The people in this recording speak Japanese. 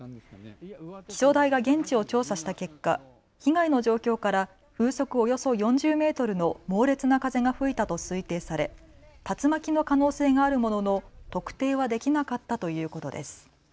気象台が現地を調査した結果、被害の状況から風速およそ４０メートルの猛烈な風が吹いたと推定され竜巻の可能性があるものの特定はできなかったということです。